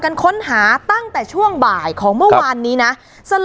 แล้วก็ไปซ่อนไว้ในคานหลังคาของโรงรถอีกทีนึง